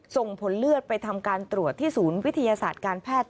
ส่งผลเลือดไปทำการตรวจที่ศูนย์วิทยาศาสตร์การแพทย์